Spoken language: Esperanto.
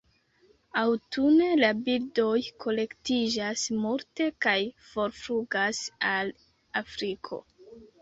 Aŭtune la birdoj kolektiĝas multe kaj forflugas al Afriko.